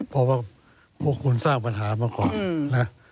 เพราะว่าพวกคุณสร้างปัญหามาก่อนนะ